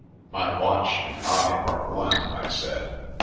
"My watch and I are one," I said.